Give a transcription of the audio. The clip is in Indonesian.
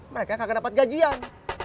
mereka kagak dapat gajian